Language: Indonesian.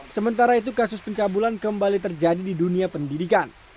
sementara itu kasus pencabulan kembali terjadi di dunia pendidikan